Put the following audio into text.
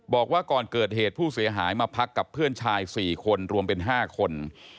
บอกว่าก่อนเกิดเหตุผู้เสียหายมาพักกับเพื่อนชาย๔คนรวมเป็น๕คน